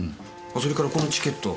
それからこのチケット。